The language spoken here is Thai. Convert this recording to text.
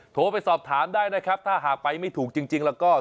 โทรไปสอบถามได้นะครับถ้าหากไปไม่ถูกจริงแล้วก็